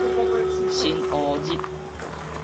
新烏日